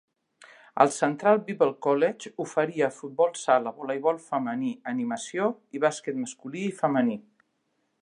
El Central Bible College oferia futbol sala, voleibol femení, animació i bàsquet masculí i femení.